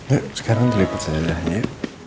yuk sekarang kita liput saja dah ya